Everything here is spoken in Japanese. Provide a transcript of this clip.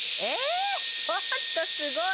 ちょっとすごい！